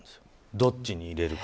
どっちに入れるか。